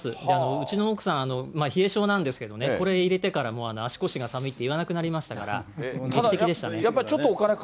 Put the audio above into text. うちの奥さん、冷え性なんですけどね、これ入れてからもう足腰が寒いって言わなくなりましたから、劇的でしたね。